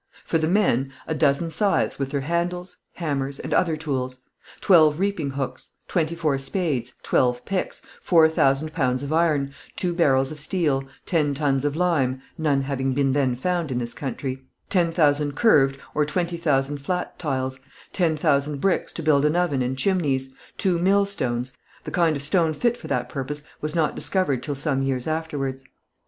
"For the men: A dozen scythes with their handles, hammers, and other tools; twelve reaping hooks, twenty four spades, twelve picks, four thousand pounds of iron, two barrels of steel, ten tons of lime [none having been then found in this country], ten thousand curved, or twenty thousand flat tiles, ten thousand bricks to build an oven and chimneys, two mill stones [the kind of stone fit for that purpose was not discovered till some years afterwards.